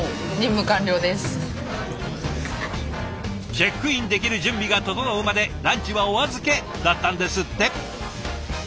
チェックインできる準備が整うまでランチはお預けだったんですって！